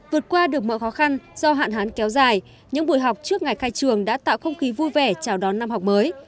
vượt qua được mọi khó khăn do hạn hán kéo dài những buổi học trước ngày khai trường đã tạo không khí vui vẻ chào đón năm học mới